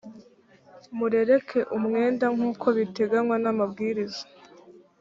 murereke umwenda nk’ uko biteganywa n ‘amabwiriza.